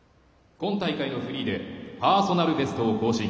今大会のフリーでパーソナルベストを更新。